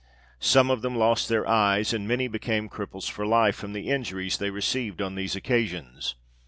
Some of them lost their eyes, and many became cripples for life from the injuries they received on these occasions.